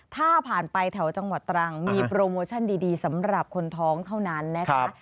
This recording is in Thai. ถ้าผ่านไปแถวจังหวัดตรังมีโปรโมชั่นดีสำหรับคนท้องเท่านั้นนะคะ